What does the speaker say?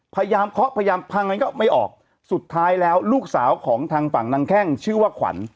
เคาะพยายามพังงั้นก็ไม่ออกสุดท้ายแล้วลูกสาวของทางฝั่งนางแข้งชื่อว่าขวัญ